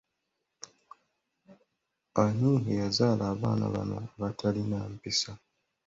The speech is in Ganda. Ani yazaala abaana bano abatalina mpisa?